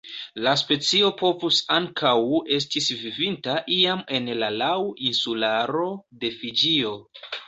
La specio povus ankaŭ esti vivinta iam en la Lau Insularo de Fiĝio.